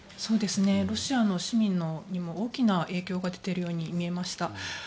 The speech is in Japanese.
ロシアの市民にも大きな影響が出ているように見えました。